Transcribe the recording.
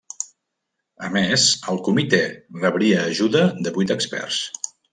A més, el Comitè rebria ajuda de vuit experts.